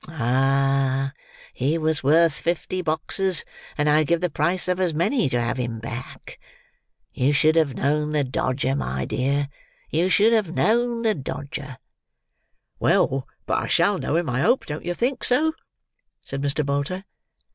Ah! he was worth fifty boxes, and I'd give the price of as many to have him back. You should have known the Dodger, my dear; you should have known the Dodger." "Well, but I shall know him, I hope; don't yer think so?" said Mr. Bolter.